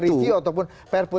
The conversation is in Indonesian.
ya kalau pun itu